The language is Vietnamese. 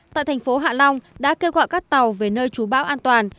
tại thành phố hạ long đã kêu gọi các tàu về nơi trú bão an toàn